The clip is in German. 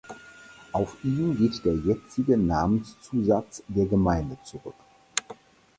Auf ihn geht der jetzige Namenszusatz der Gemeinde zurück.